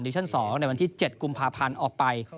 ชั่น๒ในวันที่๗กุมภาพันธ์ออกไป